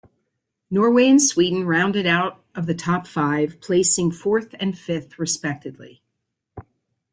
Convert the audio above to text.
Norway and Sweden rounded out of the top five, placing fourth and fifth respectively.